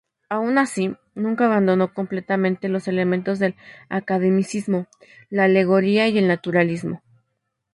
Aun así, nunca abandonó completamente los elementos del academicismo: la alegoría y el naturalismo.